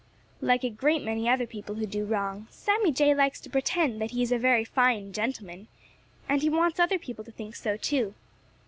Like a great many other people who do wrong, Sammy Jay likes to pretend that he is a very fine gentleman, and he wants other people to think so too.